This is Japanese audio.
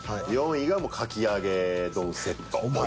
４位がかき揚げ丼セット。